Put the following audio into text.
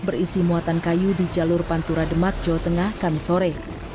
berisi muatan kayu di jalur pantura demak jawa tengah kami sore